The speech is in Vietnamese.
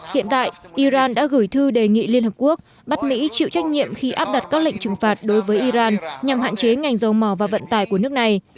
hiện tại iran đã gửi thư đề nghị liên hợp quốc bắt mỹ chịu trách nhiệm khi áp đặt các lệnh trừng phạt đối với iran nhằm hạn chế ngành dầu mỏ và vận tải của nước này